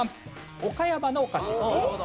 岡山のお菓子。